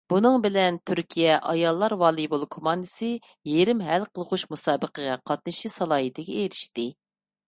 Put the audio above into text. بۇنىڭ بىلەن، تۈركىيە ئاياللار ۋالىبول كوماندىسى يېرىم ھەل قىلغۇچ مۇسابىقىگە قاتنىشىش سالاھىيىتىگە ئېرىشتى.